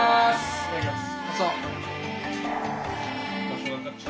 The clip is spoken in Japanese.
いただきます。